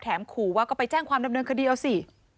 แถมขู่ว่าก็ไปแจ้งความแนบนางคดีเอาสิ